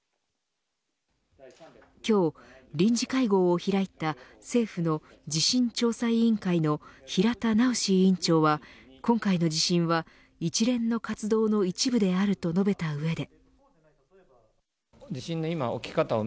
今日臨時会合を開いた政府の地震調査委員会の平田直委員長は今回の地震は一連の活動の一部であると述べた上で。